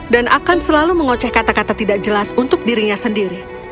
dan akan selalu mengoceh kata kata tidak jelas untuk dirinya sendiri